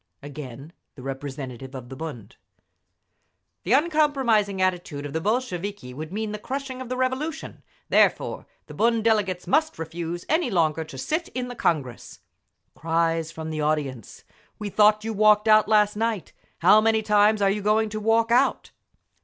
Again the representative of the Bund. The uncompromising attitude of the Bolsheviki would mean the crushing of the Revolution; therefore, the Bund delegates must refuse any longer to sit in the Congress. Cries from the audience, "We thought you walked out last night! How many times are you going to walk out?"